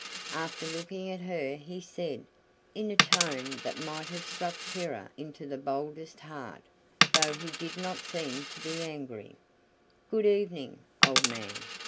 After looking at her he said, in a tone that might have struck terror into the boldest heart, though he did not seem to be angry: "Good evening, old man.